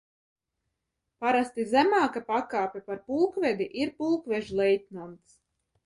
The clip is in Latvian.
Parasti zemāka pakāpe par pulkvedi ir pulkvežleitnants.